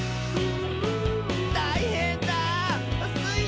「たいへんだスイ